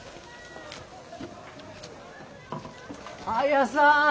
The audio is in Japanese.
綾さん！